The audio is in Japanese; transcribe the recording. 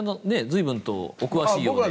随分とお詳しいようで。